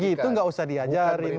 kalau gitu nggak usah diajarin bos